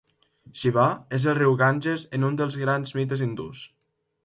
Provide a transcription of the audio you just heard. Xiva és el riu Ganges en un dels grans mites hindús.